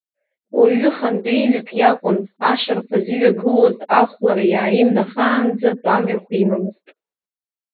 Уаҩы хандеиҩык иакәын, ашарԥаз иҩагылоз ахәлара иааимнахаанӡа тәамҩахә имамызт.